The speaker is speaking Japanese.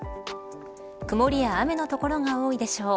曇りや雨の所が多いでしょう。